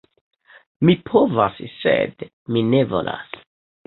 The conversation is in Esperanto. Mi povas, sed mi ne volas.